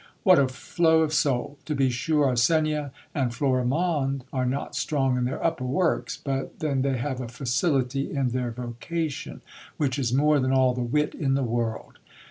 What a flow of soul ! To be sure, Arsenia and Florimonde are not strong in their upper works ; but then they have a facility in their vocation which is more than all the wit in the world.